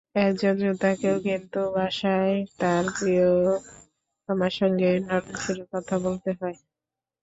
একজন যোদ্ধাকেও কিন্তু বাসায় তাঁর প্রিয়তমার সঙ্গে নরম সুরে কথা বলতে হয়।